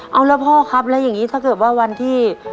เอาแล้วพ่อครับแล้วอย่างนี้ถ้าเกิดว่าวันที่